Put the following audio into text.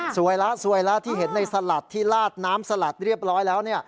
สวยแล้วสวยแล้วที่เห็นในสลัดที่ลาดน้ำสลัดเรียบร้อยแล้ว